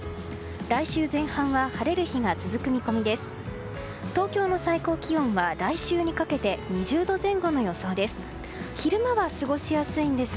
来週前半は晴れる日が続く見込みです。